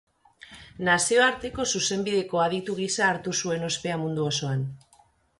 Nazioarteko zuzenbideko aditu gisa hartu zuen ospea mundu osoan.